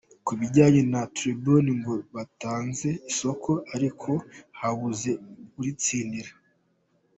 Ku bijyanye na Tribune ngo batanze isoko ariko habuze uritsindira.